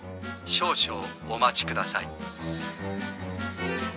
少々お待ちください。